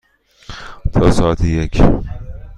تا ساعت یک.